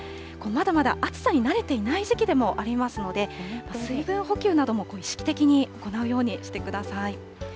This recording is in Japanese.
まだまだ暑さに慣れていない時期でもありますので、水分補給なども意識的に行うようにしてください。